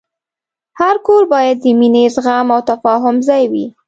هر کور باید د مینې، زغم، او تفاهم ځای وي.